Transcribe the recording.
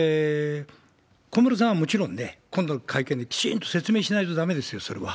小室さんはもちろん、今度の会見できちんと説明しないとだめですよ、それは。